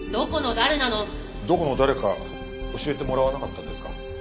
どこの誰か教えてもらわなかったんですか？